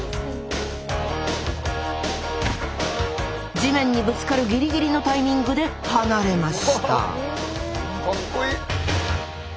地面にぶつかるギリギリのタイミングで離れましたかっこいい。